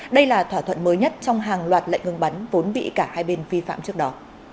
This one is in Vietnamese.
đây là thỏa thuận mới nhất trong hàng loạt lệnh ngừng bắn vốn bị cả hai bên vi phạm trước đó